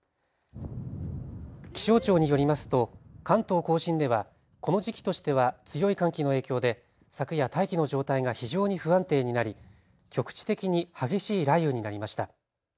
気象庁によりますと関東甲信ではこの時期としては強い寒気の影響で昨夜、大気の状態が非常に不安定になり局地的に激しい雷雨になりました。